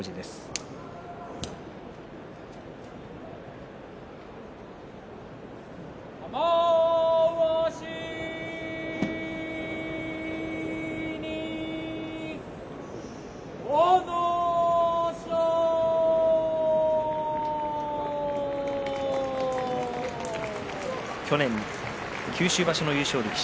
拍手去年、九州場所の優勝力士。